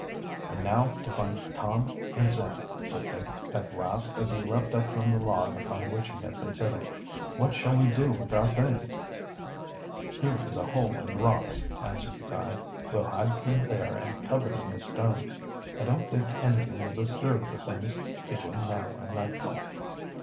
"And now to find Tom and Sam," said Dick, at last, as he leaped up from the log upon which he had been sitting. "What shall we do with our things?" "Here is a hole in the rocks," answered the guide. "We'll hide them there and cover them with stones. I don't think anything will disturb the things between now and nightfall."